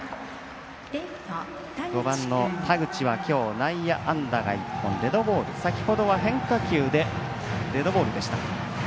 ５番の田口はきょう内野安打が１本デッドボール、先ほどは変化球でデッドボールでした。